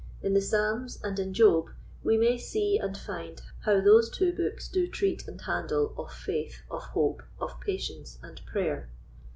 In the Psalms and in Job we may see and find how those two books do treat and handle of Faith, of Hope, of Patience, and Prayer.